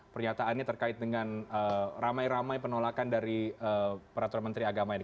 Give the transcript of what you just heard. pernyataannya terkait dengan ramai ramai penolakan dari peraturan menteri agama ini